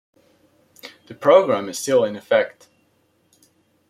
The program is still in effect.